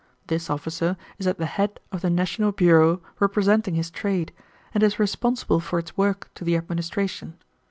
This officer is at the head of the national bureau representing his trade, and is responsible for its work to the administration.